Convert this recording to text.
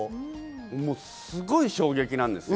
もう、すごい衝撃なんですよ。